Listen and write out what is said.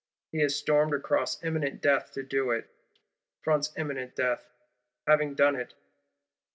He has stormed across imminent death to do it; fronts imminent death, having done it.